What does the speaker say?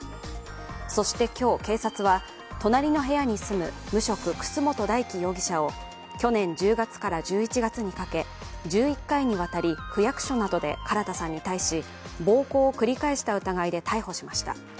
そして今日、警察は隣の部屋に住む無職、楠本大樹容疑者を去年１０月から１１月にかけ１１回にわたり区役所などで唐田さんに対し暴行を繰り返した疑いで逮捕しました。